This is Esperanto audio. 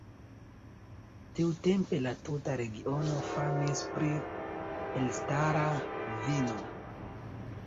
Tiutempe la tuta regiono famis pri elstara vino.